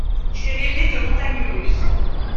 J’ai rêvé de montagnes russes.